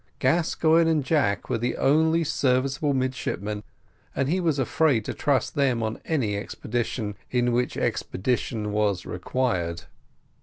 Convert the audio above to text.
Gascoigne and Jack were the only two serviceable midshipmen, and he was afraid to trust them on any expedition in which expedition was required.